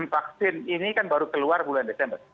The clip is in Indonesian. vaksin ini kan baru keluar bulan desember